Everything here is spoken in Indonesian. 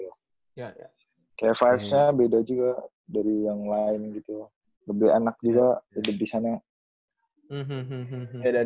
kayak vibesnya beda juga dari yang lain gitu lebih enak juga di sana